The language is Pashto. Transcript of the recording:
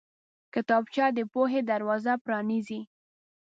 کتابچه د پوهې دروازه پرانیزي